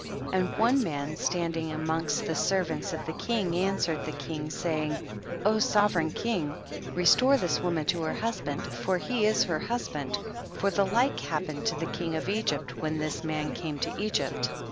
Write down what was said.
19. And one man standing amongst the servants of the king answered the king, saying, O sovereign king, restore this woman to her husband, for lie is her husband, for the like happened to the king of Egypt when this man came to Egypt.